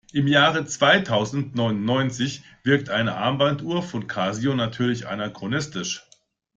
Im Jahr zweitausendneunundneunzig wirkt eine Armbanduhr von Casio natürlich anachronistisch.